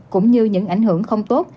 cũng như những ảnh hưởng không tốt